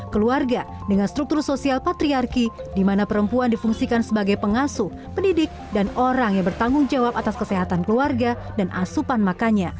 keluarga dengan struktur sosial patriarki di mana perempuan difungsikan sebagai pengasuh pendidik dan orang yang bertanggung jawab atas kesehatan keluarga dan asupan makannya